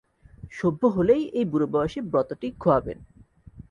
সভ্য হলেই এই বুড়োবয়সে ব্রতটি খোওয়াবেন।